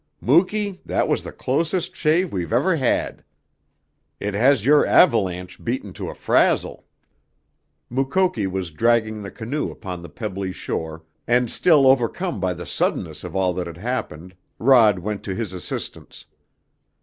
"Muky, that was the closest shave we've ever had! It has your avalanche beaten to a frazzle!" Mukoki was dragging the canoe upon the pebbly shore, and still overcome by the suddenness of all that had happened Rod went to his assistance.